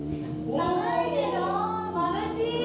寒いけどまぶしい！